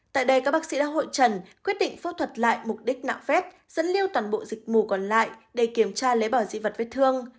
tại đây các bác sĩ đã hội trần quyết định phẫu thuật lại mục đích nạo vét dẫn lưu toàn bộ dịch mù còn lại để kiểm tra lấy bỏ dị vật vết thương